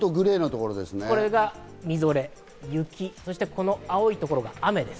これがみぞれ、これが雪、青いところが雨です。